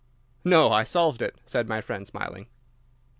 "No, I solved it," said my friend, smiling.